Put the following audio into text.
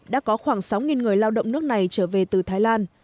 đã có khoảng sáu người lao động nước này trở về từ thái lan